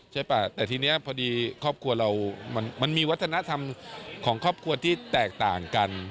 ใช่ป่ะแต่ทีนี้พอดีครอบครัวเรามันมีวัฒนธรรมของครอบครัวที่แตกต่างกัน